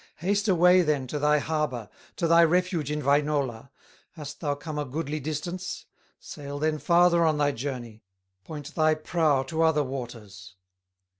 Haste away then to thy harbor, To thy refuge in Wainola. Hast thou come a goodly distance? Sail then farther on thy journey, Point thy prow to other waters."